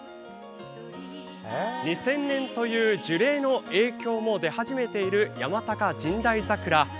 ２０００年という樹齢の影響も出始めている山高神代桜。